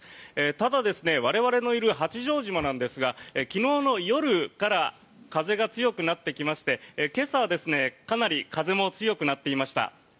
ただ、我々のいる八丈島なんですが昨日の夜から風が強くなってきまして今朝はかなり風も強くなっていました。